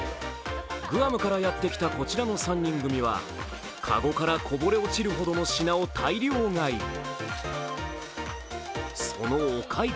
グアムからやってきたこちらの３人組は籠からこぼれ落ちるほどの品を大量買い。